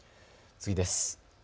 次です。